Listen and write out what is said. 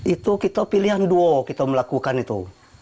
itu kita pilihan duo kita melakukan itu